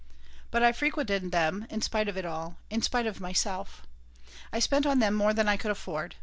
But I frequented them in spite of it all, in spite of myself. I spent on them more than I could afford.